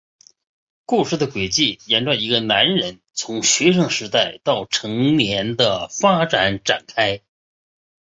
故事的轨迹沿着一个男人从学生时代到成年的发展展开。